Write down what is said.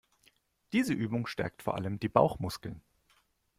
Diese Übung stärkt vor allem die Bauchmuskeln.